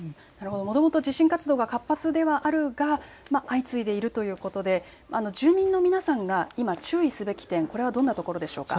もともと地震活動が活発ではあるが相次いでいるということで住民の皆さんが今注意すべき点、これはどんなところでしょうか。